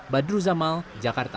badru zamal jakarta